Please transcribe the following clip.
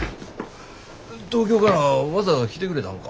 東京からわざわざ来てくれたんか？